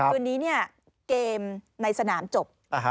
วันนี้เกมในสนามจบ